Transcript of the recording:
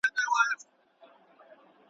غلیمان د پایکوبونو به په ګور وي.